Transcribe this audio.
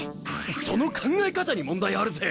その考え方に問題あるぜ！